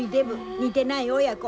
似てない親子。